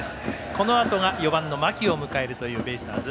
このあとが４番の牧を迎えるベイスターズ